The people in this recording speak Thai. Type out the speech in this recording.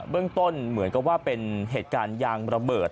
เรื่องต้นเหมือนกับว่าเป็นเหตุการณ์ยางระเบิด